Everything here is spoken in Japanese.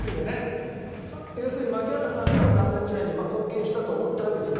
要するに槙原さんの完全試合に貢献したと思ってるわけですよ